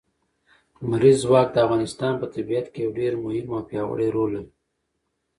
لمریز ځواک د افغانستان په طبیعت کې یو ډېر مهم او پیاوړی رول لري.